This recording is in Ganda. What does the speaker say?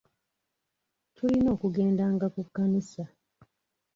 Tulina okugendanga ku kkanisa.